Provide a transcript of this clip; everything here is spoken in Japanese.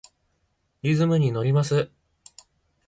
リズムにのります。